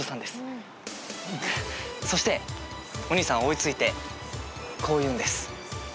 そしてお兄さん追い付いてこう言うんです。